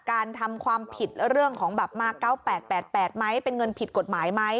การทำความผิดเรื่องของแบบมา๙๘๘ไหมเป็นเงินผิดกฎหมายไหม